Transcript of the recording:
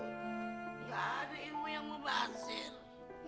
gak ada ilmu yang mau berhasil